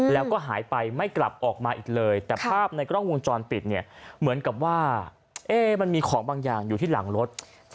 แล้วก็หายไปไม่กลับออกมาอีกเลยแต่ภาพในกล้องวงจรปิดเนี่ยเหมือนกับว่ามันมีของบางอย่างอยู่ที่หลังรถ